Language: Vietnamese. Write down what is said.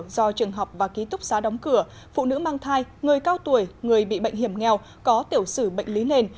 do trường học và ký túc xá đóng cửa phụ nữ mang thai người cao tuổi người bị bệnh hiểm nghèo có tiểu sử bệnh lý nền